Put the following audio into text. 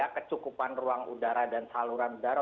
kecukupan ruang udara dan saluran udara